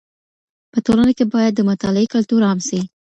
په ټولنه کي بايد د مطالعې کلتور عام سي.